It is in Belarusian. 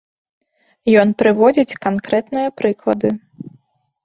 Ён прыводзіць канкрэтныя прыклады.